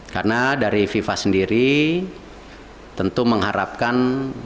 karena dari fifa sendiri tentu mengharapkan